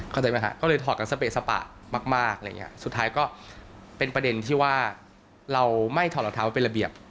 เข้าใจไหมฮะก็เลยถอดกันสเปสปะมากอะไรอย่างเงี้ยสุดท้ายก็เป็นประเด็นที่ว่าเราไม่ถอดรองเท้าเป็นระเบียบ